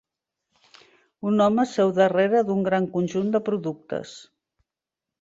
Un home seu darrere d'un gran conjunt de productes.